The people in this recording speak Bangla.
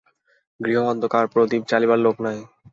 গৃহ অন্ধকার, প্রদীপ জ্বালিবার লোক নাই।